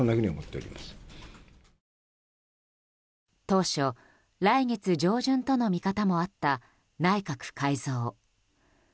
当初、来月上旬との見方もあった内閣改造。